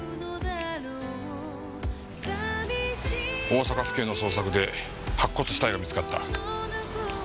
大阪府警の捜索で白骨死体が見つかった。